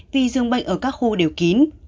vì dường bệnh ở các khu đều kín